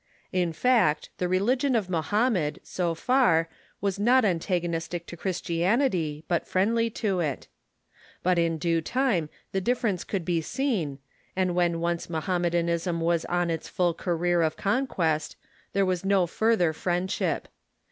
In fact, the religion of Mohammed, so far, was not antagonistic to Christianity, but friendly to it. But in due time the difference could be seen, and when once Mohammedanism was on its full career of conquest there was no further friendship.